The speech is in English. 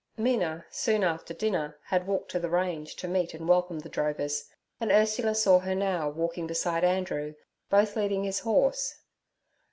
Mina, soon after dinner, had walked to The Range to meet and welcome the drovers, and Ursula saw her now walking beside Andrew, both leading his horse.